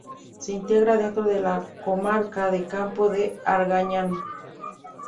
Se integra dentro de la comarca de Campo de Argañán.